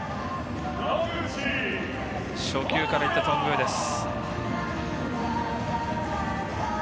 初球からいった頓宮です。